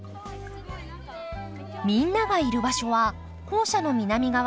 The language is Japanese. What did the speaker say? みんながいる場所は校舎の南側。